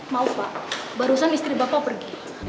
mau pak barusan istri bapak pergi